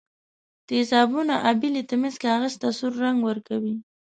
تیزابونه آبي لتمس کاغذ ته سور رنګ ورکوي.